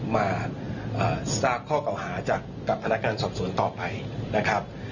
มาทราบข้อเก่าหาจากกับพนักงานสอบสวนต่อไปนะครับ